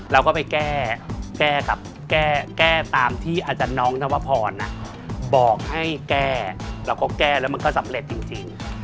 เราก็ไปแก้ตามที่อาจารย์น้องนวพรบอกให้แก้แล้วก็แก้แล้วมันก็สำเร็จจริง